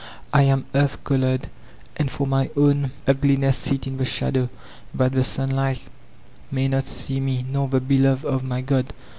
I am earth colored, and for my own ugliness sit in the shadow, that the sunlight may not see me, nor the beloved of my god.